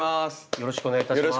よろしくお願いします